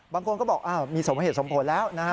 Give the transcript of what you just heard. บางคนก็บอกมีสมเหตุสมผลแล้วนะฮะ